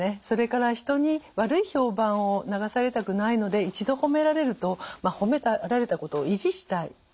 それから人に悪い評判を流されたくないので一度褒められると褒められたことを維持したい。